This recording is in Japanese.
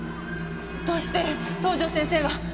どうして東条先生が。